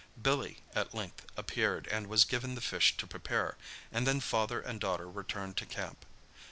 Billy at length appeared, and was given the fish to prepare, and then father and daughter returned to camp.